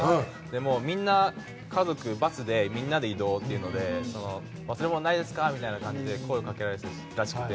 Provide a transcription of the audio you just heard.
みんな家族、バスでみんなで移動っていうので忘れ物ないですか？と声をかけられたらしくて。